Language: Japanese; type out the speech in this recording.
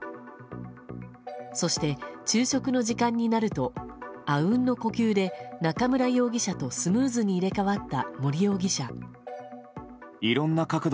そして、昼食の時間になるとあうんの呼吸で中村容疑者とスムーズに入れ替わった森容疑者。